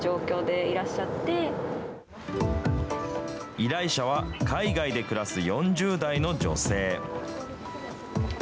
依頼者は海外で暮らす４０代の女性。